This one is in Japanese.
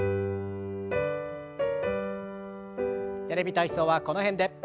「テレビ体操」はこの辺で。